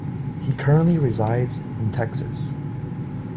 He currently resides in Texas.